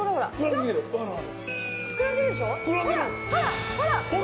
ほらほら！